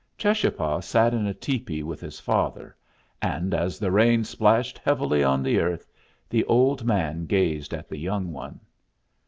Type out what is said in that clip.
Cheschapah sat in a tepee with his father, and as the rain splashed heavily on the earth the old man gazed at the young one.